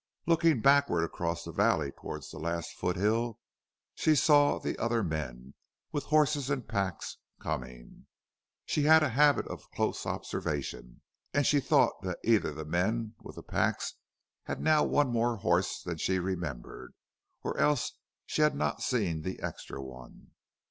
Looking backward across the valley toward the last foot hill, she saw the other men, with horses and packs, coming. She had a habit of close observation, and she thought that either the men with the packs had now one more horse than she remembered, or else she had not seen the extra one.